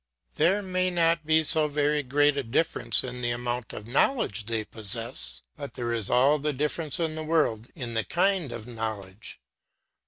There may not be so very great a difference in the amount of knowledge they possess, but there is all the difference in the world in the kind of knowledge.